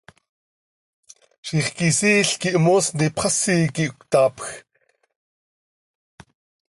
Zixquisiil quih moosni ipxasi quih cötaapj, cooc hacx immiih.